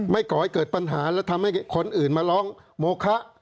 ก่อให้เกิดปัญหาและทำให้คนอื่นมาร้องโมคะ